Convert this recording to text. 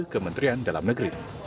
kementerian dalam negeri